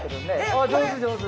ああ上手上手！